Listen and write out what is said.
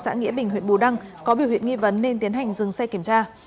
xã nghĩa bình huyện bù đăng có biểu hiện nghi vấn nên tiến hành dừng xe kiểm tra